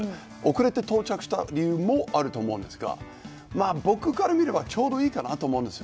遅れて到着した理由もあると思うんですが僕から見るとちょうどいいかなと思うんです。